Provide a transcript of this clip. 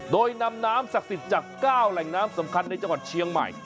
โดยนำน้ำศักดิ์สิทธิ์จาก๙แหล่งน้ำสำคัญในจังหวัดเชียงใหม่